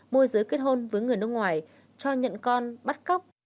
môi giới kết hôn với người nước ngoài cho nhận con bắt cóc